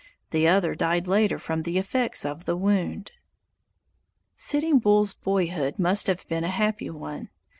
The other died later from the effects of the wound. Sitting Bull's boyhood must have been a happy one.